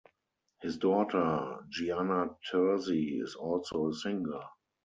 His daughter Gianna Terzi is also a singer.